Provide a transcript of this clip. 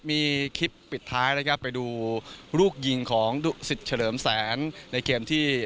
มีคลิปปิดท้ายนะครับไปดูลูกยิงของดุสิตเฉลิมแสนในเกมที่